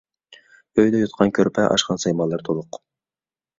ئۆيدە يوتقان-كۆرپە، ئاشخانا سايمانلىرى تولۇق.